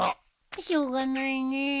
しょうがないねえ。